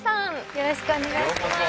よろしくお願いします。